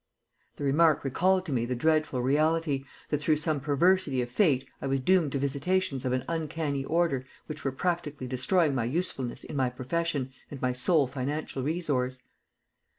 The remark recalled to me the dreadful reality, that through some perversity of fate I was doomed to visitations of an uncanny order which were practically destroying my usefulness in my profession and my sole financial resource.